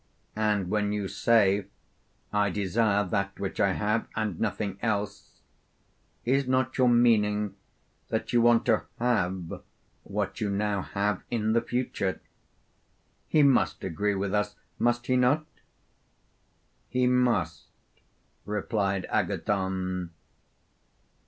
And when you say, I desire that which I have and nothing else, is not your meaning that you want to have what you now have in the future?' He must agree with us must he not? He must, replied Agathon.